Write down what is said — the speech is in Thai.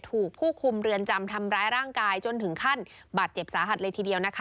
ถูกผู้คุมเรือนจำทำร้ายร่างกายจนถึงขั้นบาดเจ็บสาหัสเลยทีเดียวนะคะ